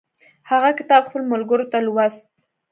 هغه کتاب خپلو ملګرو ته لوست.